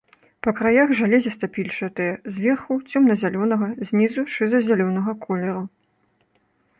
Па краях жалезістай-пільчатыя, зверху цёмна -зялёнага, знізу шыза- зялёнага колеру.